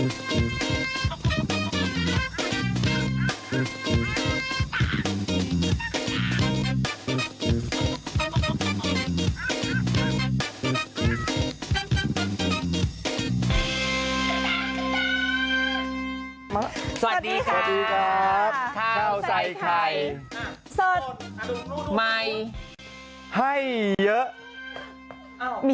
สวัสดีค่ะสวัสดีครับข้าวใส่ไข่สดใหม่ให้เยอะ